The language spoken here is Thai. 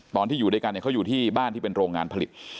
ตอนที่อยู่ด้วยกันเขาอยู่ที่บ้านที่เป็นโรงงานผลิต